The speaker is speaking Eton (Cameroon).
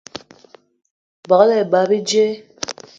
Begela ebag bíjé